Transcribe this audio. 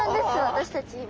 私たち今。